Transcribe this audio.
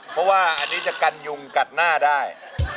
เพราะว่าอันนี้จะกันยุงกัดหน้าได้